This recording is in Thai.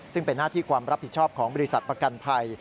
ซึ่งเป็นหน้าที่ความรับผิดชอบของบริษัทประกันภัย